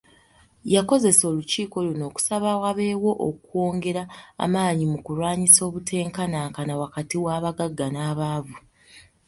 Yakozesa olukiiko luno okusaba wabewo okwongera amaanyi mu kulwanyisa obutenkanakana wakati w'abagagga n'abaavu